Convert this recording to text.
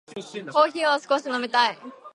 コーヒーを少し飲みたい。